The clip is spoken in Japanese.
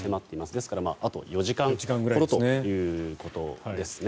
ですから、あと４時間ほどということですね。